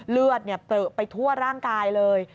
เลือดเปลือไปทั่วร่างกายเลย